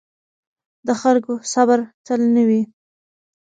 د خلکو صبر تل نه وي